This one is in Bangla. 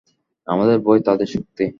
আমাদের ভয় তাদের শক্তি।